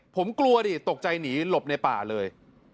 ผมกลัวดิตกใจหนีหลบในป่าเลย